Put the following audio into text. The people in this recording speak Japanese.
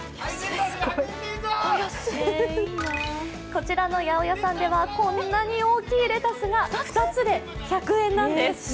こちらの八百屋さんではこんなに大きいレタスが２つで１００円なんです。